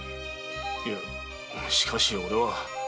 いやしかし俺は。